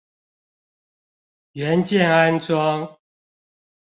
元件安裝